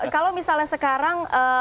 kalau misalnya sekarang